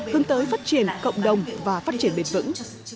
hướng tới phát triển cộng đồng và phát triển bền vững